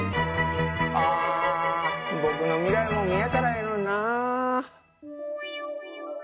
あ僕の未来も見えたらええのにな。